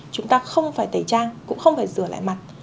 chúng ta không phải tẩy trang cũng không phải rửa lại mặt